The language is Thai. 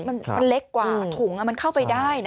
มันเล็กกว่าถุงมันเข้าไปได้นะ